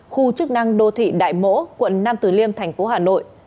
khu chức năng đô thị đại mỗ quận nam tử liêm thành phố hà nội